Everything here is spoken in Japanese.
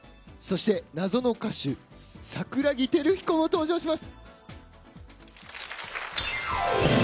謎の歌手桜木輝彦も登場します。